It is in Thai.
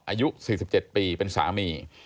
อายุ๔๗ปีเป็นสามี